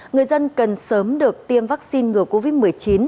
người dân cần sớm được tiêm vaccine ngừa covid một mươi chín